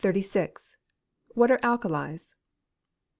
_What are alkalies?